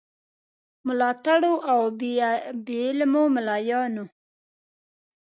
ملاتړو او بې علمو مُلایانو.